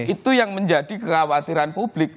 itu yang menjadi kekhawatiran publik